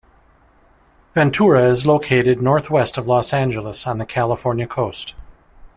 Ventura is located northwest of Los Angeles on the California coast.